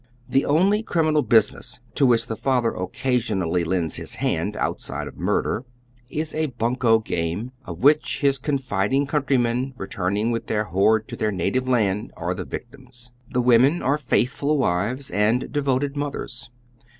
Tiie only cnminal business to which the father occasionally lends his hand, outside of murder, is a bunco game, of which his confiding countrymen, returiiing with their hoard to their native land, are the victims. The women are faithful wives and devoted mothera.